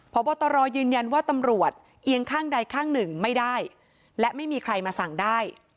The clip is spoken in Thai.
พบตรยืนยันว่าตำรวจเอียงข้างใดข้างหนึ่งไม่ได้และไม่มีใครมาสั่งได้